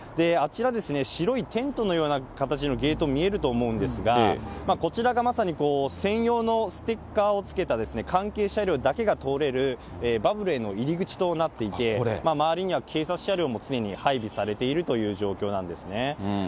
あちら、白いテントのようなゲート見えると思うんですが、こちらがまさに専用のステッカーをつけた関係車両だけが通れるバブルへの入り口となっていて、周りには警察車両も常に配備されているという状況なんですね。